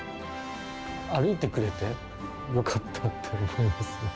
歩いてくれてよかったって思います。